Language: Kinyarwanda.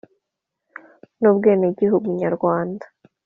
N’ubwenegihugu nyarwanda.